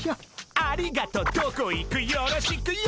「ありがとどこいくよろしくＹＯ」